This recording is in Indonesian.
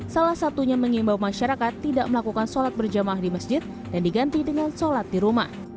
salah satunya mengimbau masyarakat tidak melakukan sholat berjamaah di masjid dan diganti dengan sholat di rumah